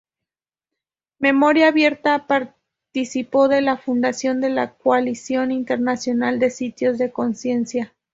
Memoria Abierta participó de la fundación de la Coalición Internacional de Sitios de Conciencia.